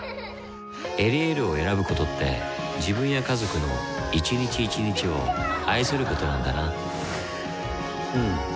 「エリエール」を選ぶことって自分や家族の一日一日を愛することなんだなうん。